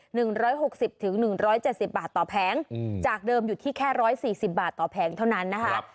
หนึ่งร้อยหกสิบถึงหนึ่งร้อยเจ็ดสิบบาทต่อแผงอืมจากเดิมอยู่ที่แค่ร้อยสี่สิบบาทต่อแผงเท่านั้นนะคะ